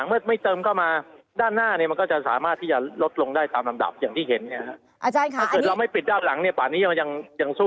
นึกถึงสภาพขันน้ำที่เรียง